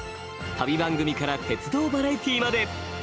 旅番組から鉄道バラエティーまで。